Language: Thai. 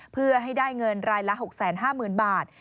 เพื่อให้ได้เงินรายละ๖๕๐๐๐บาท